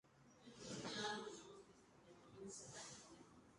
Usualmente en los bosques.